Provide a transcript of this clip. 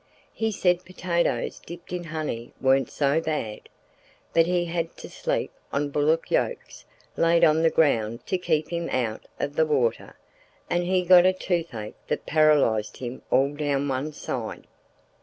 He said potatoes dipped in honey weren't so bad; but he had to sleep on bullock yokes laid on the ground to keep him out of the water, and he got a toothache that paralysed him all down one side.